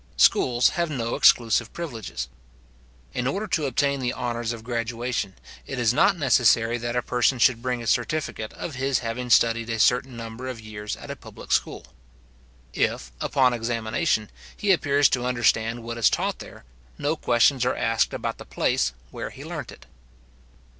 Schools have no exclusive privileges. In order to obtain the honours of graduation, it is not necessary that a person should bring a certificate of his having studied a certain number of years at a public school. If, upon examination, he appears to understand what is taught there, no questions are asked about the place where he learnt it.